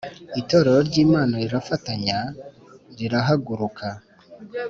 itorero ry’ imana, rirafatanya; rirahaguruka